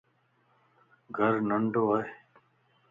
گھر ننڍو ائي